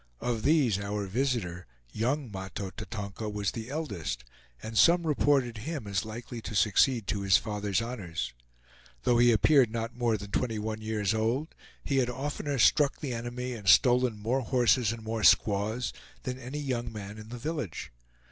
Of these our visitor, young Mahto Tatonka, was the eldest, and some reported him as likely to succeed to his father's honors. Though he appeared not more than twenty one years old, he had oftener struck the enemy, and stolen more horses and more squaws than any young man in the village.